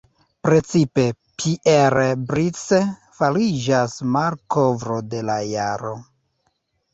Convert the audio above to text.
Precipe Pierre Brice fariĝas malkovro de la jaro.